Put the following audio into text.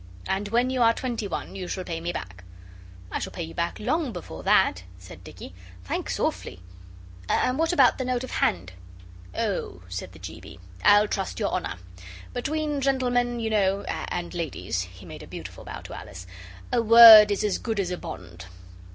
And when you are twenty one you shall pay me back.' 'I shall pay you back long before that,' said Dicky. 'Thanks, awfully! And what about the note of hand?' 'Oh,' said the G. B., 'I'll trust to your honour. Between gentlemen, you know and ladies' he made a beautiful bow to Alice 'a word is as good as a bond.